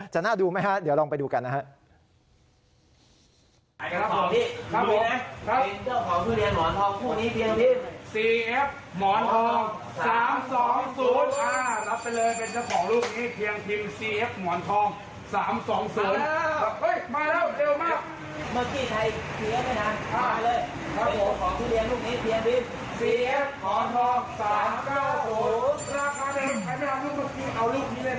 น่าดูไหมฮะเดี๋ยวลองไปดูกันนะครับ